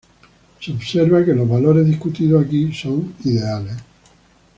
Se observa que los valores discutidos aquí son ideales.